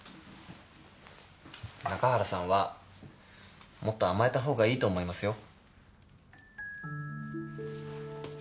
中原さんはもっと甘えた方がいいと思いますよ。